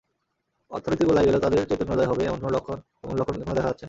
অর্থনীতি গোল্লায় গেলেও তাদের চৈতন্যোদয় হবে, এমন লক্ষণ এখনো দেখা যাচ্ছে না।